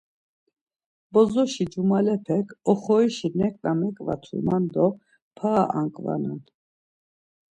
Bozoşi cumalepek oxorişi neǩna meǩvatuman do para anǩvanan.